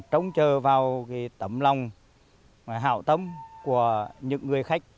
trong một không gian đầm ấm và thân thiện nhất